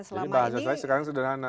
jadi bahasa saya sekarang sederhana